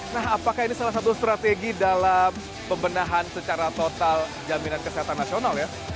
nah apakah ini salah satu strategi dalam pembenahan secara total jaminan kesehatan nasional ya